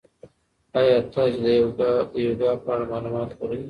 ایا تاسي د یوګا په اړه معلومات لرئ؟